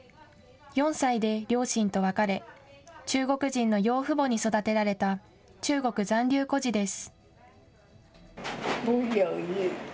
４歳で両親と別れ中国人の養父母に育てられた中国残留孤児です。